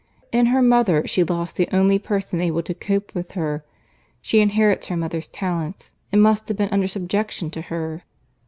In her mother she lost the only person able to cope with her. She inherits her mother's talents, and must have been under subjection to her."